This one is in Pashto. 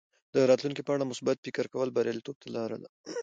د راتلونکي په اړه مثبت فکر کول بریالیتوب ته لاره ده.